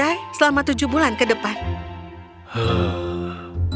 bati tak fogor ketat banjar indiji kayu itu hanyang batipu